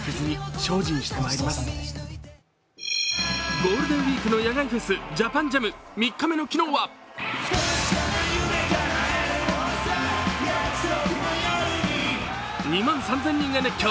ゴールデンウイークの野外フェス、ＪＡＰＡＮＪＡＭ、３日目の昨日は２万３０００人が熱狂。